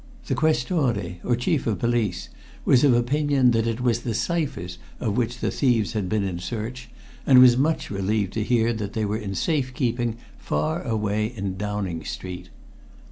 The Questore, or chief of police, was of opinion that it was the ciphers of which the thieves had been in search, and was much relieved to hear that they were in safekeeping far away in Downing Street.